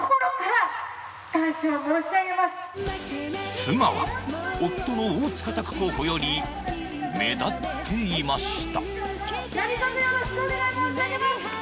妻は、夫の大塚拓候補より目立っていました。